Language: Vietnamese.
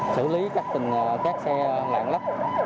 xử lý các xe lạng lấp